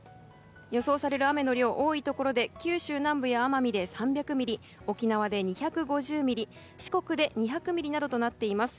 予想される雨の量、多いところで九州南部や奄美で３００ミリ沖縄で２５０ミリ四国で２００ミリなどとなっています。